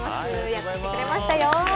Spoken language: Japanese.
やってきてくれましたよ。